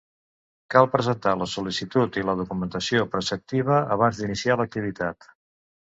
Cal presentar la sol·licitud i la documentació preceptiva abans d'iniciar l'activitat.